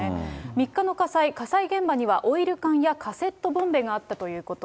３日の火災、火災現場にはオイル缶やカセットボンベがあったということ。